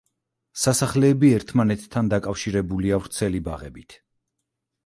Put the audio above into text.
სასახლეები ერთმანეთთან დაკავშირებულია ვრცელი ბაღებით.